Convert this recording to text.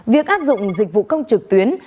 việc áp dụng dịch vụ công trực tuyến